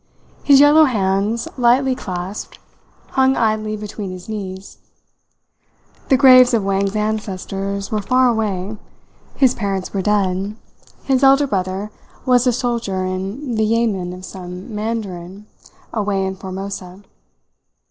His yellow hands, lightly clasped, hung idly between his knees. The graves of Wang's ancestors were far away, his parents were dead, his elder brother was a soldier in the yamen of some Mandarin away in Formosa.